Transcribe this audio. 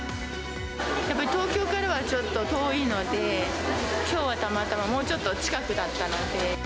やっぱ東京からはちょっと遠いので、きょうはたまたま、もうちょっと近くだったので。